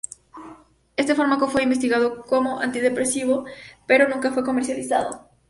Este fármaco fue investigado como antidepresivo, pero nunca fue comercializado.